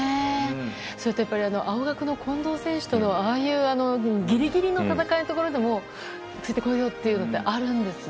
それと青学の近藤選手とのああいうギリギリの戦いのところでもついてこいよっていうのあるんですね。